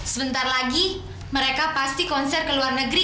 sebentar lagi mereka pasti konser ke luar negeri